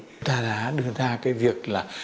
chúng ta đã đưa ra cái việc là